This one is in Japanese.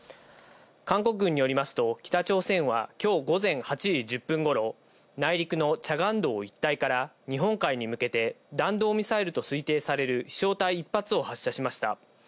韓国軍によりますと北朝鮮は、きょう午前８時１０分ごろ、内陸のチャガン道一帯から日本海に向けて弾道ミサイルと推定される飛しょう体１発を発射しました。